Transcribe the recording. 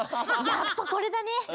やっぱこれだね！